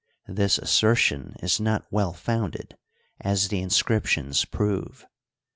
This assertion is not well founded, as the mscriptions prove.